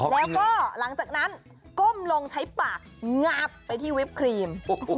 แล้วก็หลังจากนั้นก้มลงใช้ปากงาบไปที่วิปครีม